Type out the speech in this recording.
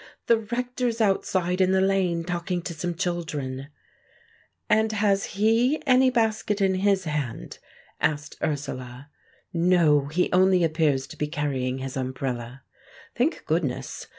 "The Rector's outside in the lane talking to some children." "And has he any basket in his hand?" asked Ursula. "No, he only appears to be carrying his umbrella." "Thank goodness!"